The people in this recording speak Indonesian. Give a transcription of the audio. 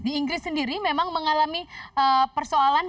di inggris sendiri memang mengalami persoalan